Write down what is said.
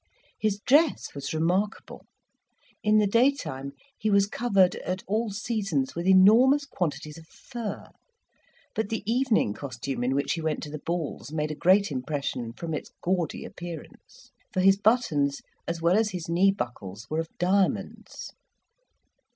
His dress was remarkable: in the day time he was covered at all seasons with enormous quantities of fur; but the evening costume in which he went to the balls made a great impression, from its gaudy appearance; for his buttons as well as his knee buckles were of diamonds.